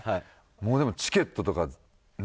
もうでもチケットとかね。